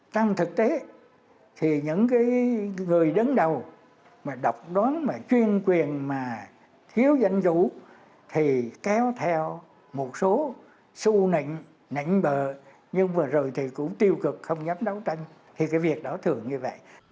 trong thực tế thì những người đứng đầu mà độc đoán mà chuyên quyền mà thiếu danh dụ thì kéo theo một số xú nịnh nảy bờ nhưng mà rồi thì cũng tiêu cực không dám đấu tranh thì cái việc đó thường như vậy